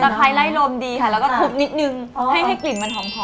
ไล่ลมตะไคร้ไล่ลมดีค่ะแล้วก็ทุบนิดนึงให้มันหอม